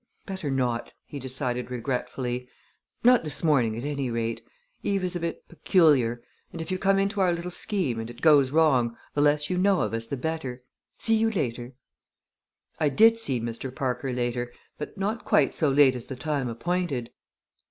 "Better not," he decided regretfully "not this morning, at any rate. Eve is a bit peculiar; and if you come into our little scheme and it goes wrong the less you know of us the better. See you later!" I did see Mr. Parker later, but not quite so late as the time appointed.